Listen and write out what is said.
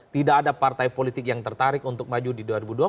tidak ada partai politik yang tertarik untuk maju di dua ribu dua puluh